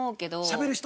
しゃべる人。